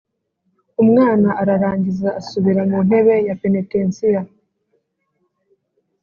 umwana ararangiza asubira mu ntebe ya penetensiya.